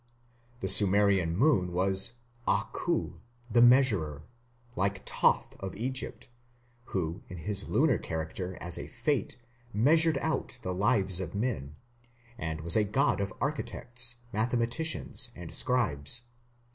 The Sumerian moon was Aku, "the measurer", like Thoth of Egypt, who in his lunar character as a Fate measured out the lives of men, and was a god of architects, mathematicians, and scribes.